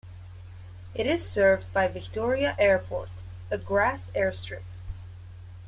It is served by Victoria Airport, a grass airstrip.